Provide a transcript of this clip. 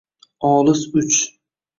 Olis uch